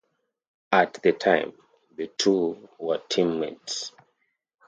At the time, the two were teammates.